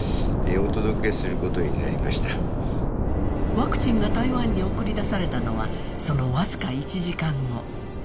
ワクチンが台湾に送り出されたのは、その僅か１時間後。